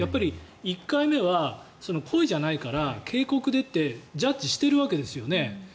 １回目は故意じゃないから警告でってジャッジしているわけですよね。